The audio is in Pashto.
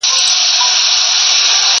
اراده یم، ما ټینګ کړي اسمان مځکه تل تر تله؛